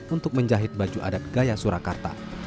untuk menjahit baju adat gaya surakarta